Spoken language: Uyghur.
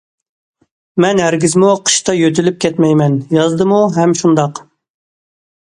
مەن ھەرگىزمۇ قىشتا يۆتكىلىپ كەتمەيمەن، يازدىمۇ ھەم شۇنداق.